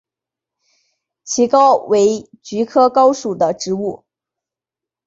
奇蒿为菊科蒿属的植物。